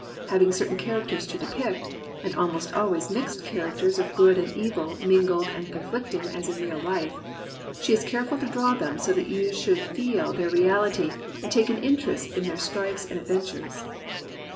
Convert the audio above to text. Having certain characters to depict (and almost always mixed characters of good and evil mingled and con flicting as in real life), she is careful to draw them so that you shall feel their reality and take an interest in their strifes and adventures.